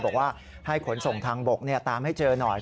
บอกว่าให้ขนส่งทางบกตามให้เจอหน่อย